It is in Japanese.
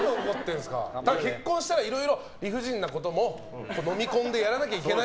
結婚したらいろいろ理不尽なことものみ込んでいかなきゃいけない。